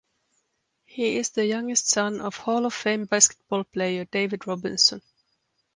He is the youngest son of Hall of Fame basketball player David Robinson.